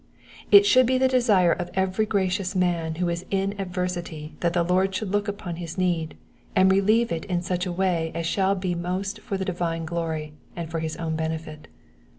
It should be the desire of every gracious man who is in adversity that the Lord should look upon his need, and relieve it in such a way as shall be most for the divine glory, and for his own benefit.